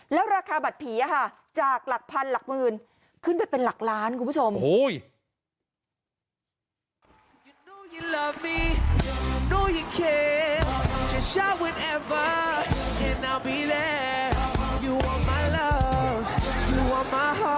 แล้วราคาบัตรผีจากหลักพันหลักหมื่นขึ้นไปเป็นหลักล้านคุณผู้ชม